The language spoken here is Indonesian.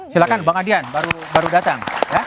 silahkan bang adian baru datang